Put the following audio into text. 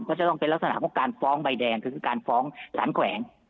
ก็จะต้องเป็นลักษณะของการฟ้องใบแดงคือการฟ้องสารแขวง